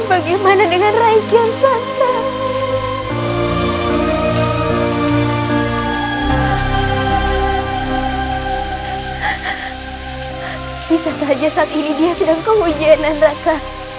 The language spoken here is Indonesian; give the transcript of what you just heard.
bisa saja saat ini dia sedang kewujudan raka